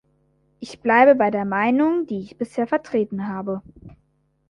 Ich bleibe bei der Meinung, die ich bisher vertreten habe.